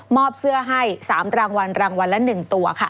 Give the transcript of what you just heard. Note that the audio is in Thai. เสื้อให้๓รางวัลรางวัลละ๑ตัวค่ะ